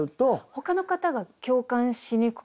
ほかの方が共感しにくかったり。